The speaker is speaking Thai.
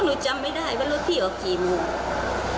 จำไม่ได้ว่ารถพี่ออกกี่โมง